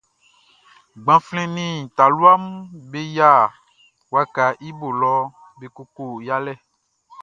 Gbanflɛn nin talua mun be yia wakaʼn i bo lɔ be koko yalɛ.